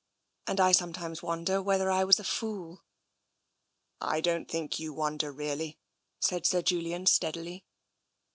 And I sometimes wonder whether I was a fool." " I don't think you wonder really," said Sir Julian TENSION i6i steadily.